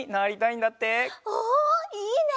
おいいね！